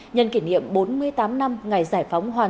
nhân kỷ niệm bốn mươi tám năm ngày giải phóng hòa an